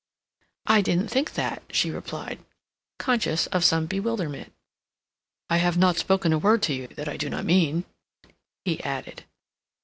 "I didn't think that," she replied, conscious of some bewilderment. "I have not spoken a word to you that I do not mean," he added.